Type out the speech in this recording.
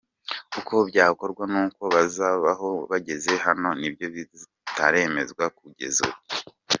Uko byakorwa n’uko bazabaho bageze hano ni byo bitaremezwa kugeza ubu.